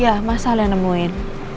ya mas al yang nemuin